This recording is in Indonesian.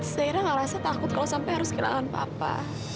zaira gak rasa takut kalau sampai harus kehilangan papa